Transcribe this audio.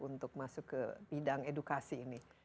untuk masuk ke bidang edukasi ini